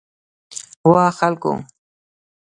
وا خلکو!